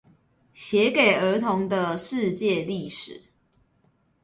寫給兒童的世界歷史